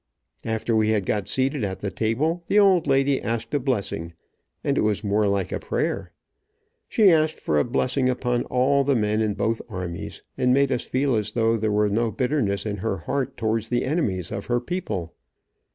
After we had got seated at the table, the old lady asked a blessing, and it was more like a prayer. She asked for a blessing upon all of the men in both armies, and made us feel as though there was no bitterness in her heart towards the enemies of her people.